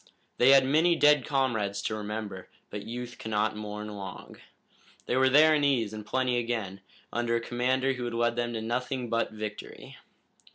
They had many dead comrades to remember, but youth cannot mourn long. They were there in ease and plenty again, under a commander who had led them to nothing but victory.